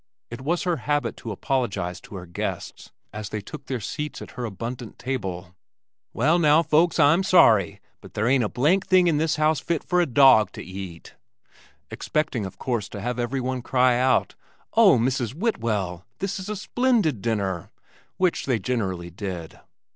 It was her habit to apologize to her guests, as they took their seats at her abundant table, "Wal, now, folks, I'm sorry, but there ain't a blank thing in this house fit for a dawg to eat " expecting of course to have everyone cry out, "Oh, Mrs. Whitwell, this is a splendid dinner!" which they generally did.